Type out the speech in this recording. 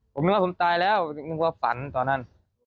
ผมนึกว่าผมตายแล้วนึกว่าฝันตอนนั้น